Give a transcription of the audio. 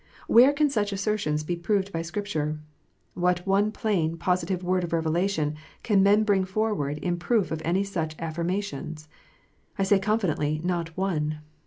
Where can such assertions be proved by Scripture ? What one plain, positive word of revelation can men bring forward in proof of any such affirmations 1 I say confidently, not one.